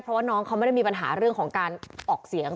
เพราะว่าน้องเขาไม่ได้มีปัญหาเรื่องของการออกเสียง